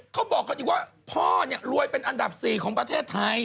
เขาบอกกันอีกว่าพ่อเนี่ยรวยเป็นอันดับ๔ของประเทศไทย